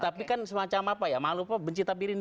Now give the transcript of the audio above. tapi kan semacam apa ya malu apa benci tapi benci